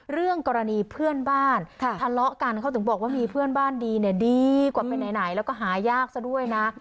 เรื่องกรณีเพื่อนบ้านทะเลาะกันเขาถึงบอกว่ามีเพื่อนบ้านดีเนี่ยดีกว่าไปไหนแล้วก็หายากซะด้วยนะ